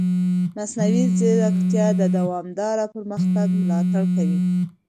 مصنوعي ځیرکتیا د دوامدار پرمختګ ملاتړ کوي.